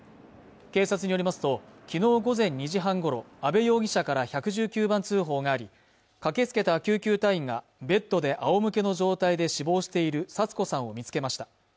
警察によりますときのう午前２時半ごろ阿部容疑者から１１９番通報があり駆けつけた救急隊員がベッドであおむけの状態で死亡しているサツ子さんを見つけました